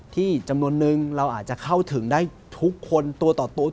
จำนวนนึงเราอาจจะเข้าถึงได้ทุกคนตัวต่อตุ๊ด